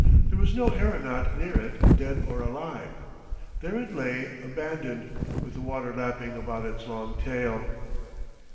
There was no aeronaut near it, dead or alive. There it lay abandoned, with the water lapping about its long tail.